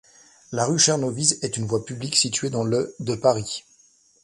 La rue Chernoviz est une voie publique située dans le de Paris.